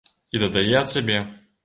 І дадае ад сябе.